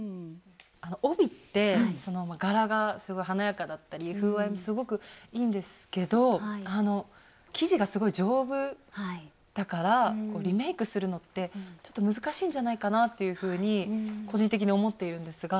帯って柄がすごい華やかだったり風合いもすごくいいんですけど生地がすごい丈夫だからリメイクするのってちょっと難しいんじゃないかなっていうふうに個人的に思っているんですが。